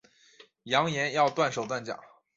扬言要断手断脚